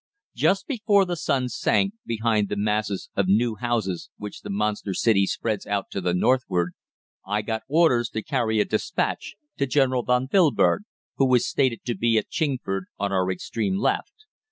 Just before the sun sank behind the masses of new houses which the monster city spreads out to the northward I got orders to carry a despatch to General von Wilberg, who was stated to be at Chingford, on our extreme left.